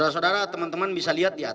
standing kami disini